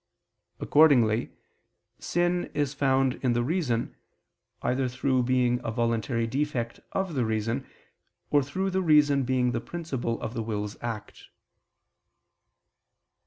Accordingly sin is found in the reason, either through being a voluntary defect of the reason, or through the reason being the principle of the will's act.